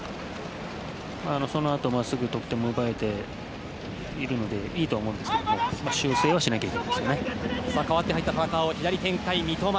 そのあと、すぐ得点も奪えているのでいいとは思うんですけども修正はしないといけない。